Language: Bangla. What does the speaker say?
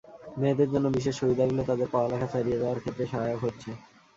মেয়েদের জন্য বিশেষ সুবিধাগুলো তাদের পড়ালেখা চালিয়ে যাওয়ার ক্ষেত্রে সহায়ক হচ্ছে।